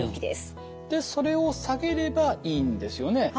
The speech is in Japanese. でそれを下げればいいんですよね？